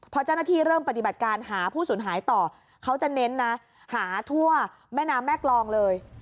พอเจ้าหน้าที่เริ่มปฏิบัติการหาผู้สูญหายต่อเขาจะเน้นนะหาทั่วแม่น้ำแม่กรองเลย